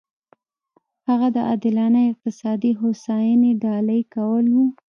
هغه د عادلانه اقتصادي هوساینې ډالۍ کول و.